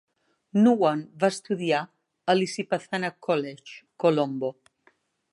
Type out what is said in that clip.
Nuwan va estudiar a l'Isipathana College, Colombo.